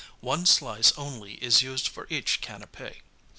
One slice only is used for each canapķ.